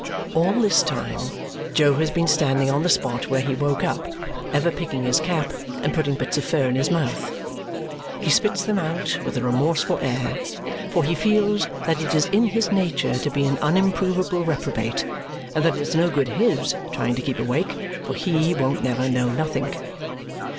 All this time Jo has been standing on the spot where he woke up, ever picking his cap and putting bits of fur in his mouth. He spits them out with a remorseful air, for he feels that it is in his nature to be an unimprovable reprobate and that it's no good HIS trying to keep awake, for HE won't never know nothink.